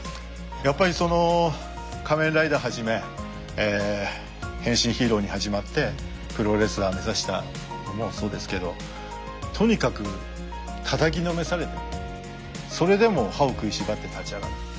やっぱりその「仮面ライダー」はじめ変身ヒーローに始まってプロレスラー目指したのもそうですけどとにかくたたきのめされてもそれでも歯を食いしばって立ち上がる。